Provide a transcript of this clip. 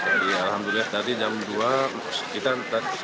sekitar jam dua dia sudah mulai sakit terus